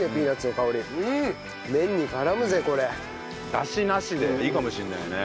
ダシなしでいいかもしれないね。